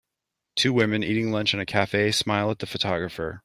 Two women eating lunch in a cafe smile at the photographer.